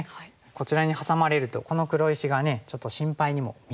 こちらにハサまれるとこの黒石がちょっと心配にも見えるんですが。